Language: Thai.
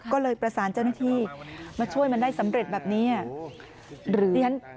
ก็เลยประสานเจ้าหน้าที่มาช่วยมันได้สำเร็จแบบนี้